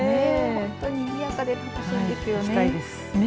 本当ににぎやかで楽しいですよね。